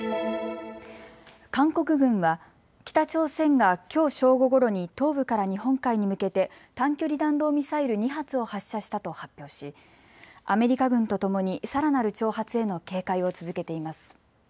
韓国軍は北朝鮮がきょう正午ごろに東部から日本海に向けて短距離弾道ミサイル２発を発射したと発表しアメリカ軍とともにさらなる挑発への警戒を続けています。